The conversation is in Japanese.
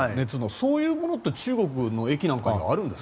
そういうものって中国の駅なんかにはあるんですか？